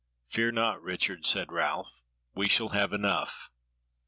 "Fear not, Richard," said Ralph, "we shall have enough."